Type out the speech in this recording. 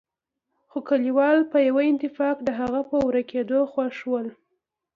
خو کليوال په يوه اتفاق د هغه په ورکېدو خوښ ول.